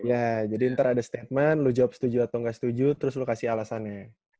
ya jadi ntar ada statement lu jawab setuju atau gak setuju terus lu kasih alasannya